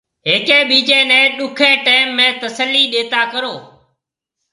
هيَڪيَ ٻِيجي نَي ڏُکي ٽيم ۾ تسلِي ڏيتا ڪرو۔